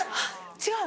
違う！